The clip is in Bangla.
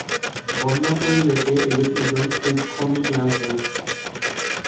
বন্য পরিবেশে এদের ওজন খুব কমই নেওয়া হয়েছে।